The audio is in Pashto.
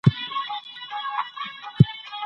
موږ يې په قدر نه پوهېږو.